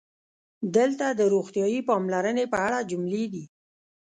دلته د "روغتیايي پاملرنې" په اړه جملې دي: